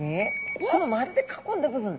この○で囲んだ部分。